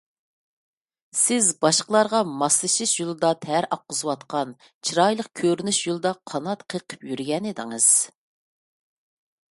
سىز باشقىلارغا ماسلىشىش يولىدا تەر ئاققۇزۇۋاتقان، چىرايلىق كۆرۈنۈش يولىدا قانات قېقىپ يۈرگەنىدىڭىز.